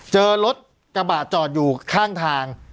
เจอรถกระบะจอดอยู่ข้างทาง